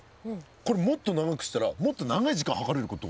これもっと長くしたらもっと長い時間計れるってこと？